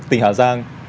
tỉnh hà giang